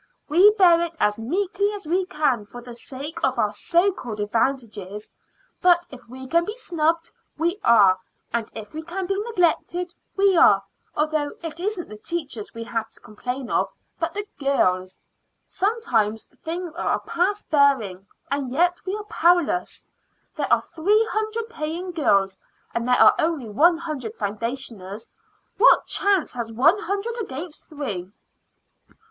We bear it as meekly as we can for the sake of our so called advantages; but if we can be snubbed, we are, and if we can be neglected, we are although it isn't the teachers we have to complain of, but the girls. Sometimes things are past bearing, and yet we are powerless. There are three hundred paying girls, and there are one hundred foundationers. What chance has one hundred against three?"